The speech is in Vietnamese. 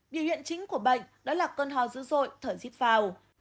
điều hiện chính của bệnh đó là cơn hoa dữ dội thở dít vào